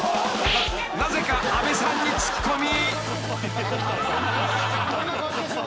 ［なぜか阿部さんにツッコミ］